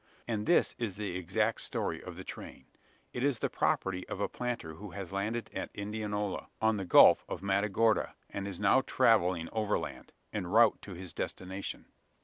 And this is the exact story of the train. It is the property of a planter who has landed at Indianola, on the Gulf of Matagorda; and is now travelling overland en route for his destination.